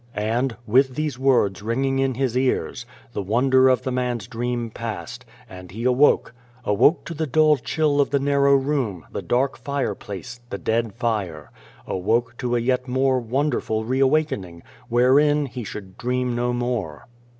And, with these words ringing in his ears, the wonder of the man's dream passed, and he awoke awoke to the dull chill of the narrow room, the dark fireplace, the dead fire awoke to a yet more wonderful re awakening, wherein he should dream no more.